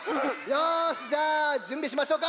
よしじゃあじゅんびしましょうか。